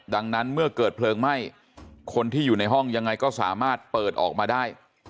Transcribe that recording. ดังนั้นเมื่อเกิดเพลิงไหม้คนที่อยู่ในห้องยังไงก็สามารถเปิดออกมาได้